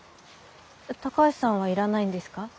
高橋さんはいらないんですか？